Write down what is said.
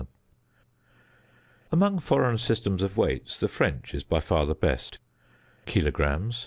Among foreign systems of weights, the French is by far the best. Kilograms (2.